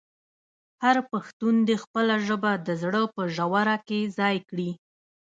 هر پښتون دې خپله ژبه د زړه په ژوره کې ځای کړي.